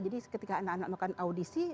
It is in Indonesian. jadi ketika anak anak mau audisi